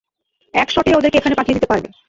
এক শটেই ওদেরকে এখানে পাঠিয়ে দিতে পারবে।